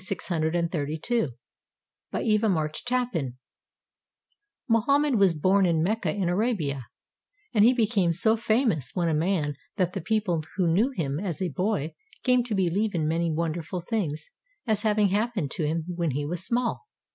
MOHAMMED [About 570 632] BY EVA MARCH TAPPAN Mohammed was born in Mecca in Arabia, and he be came so famous when a man that the people who knew him as a boy came to beheve in many wonderful things as having happened to him when he was small.